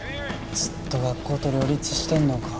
ずっと学校と両立してんのか。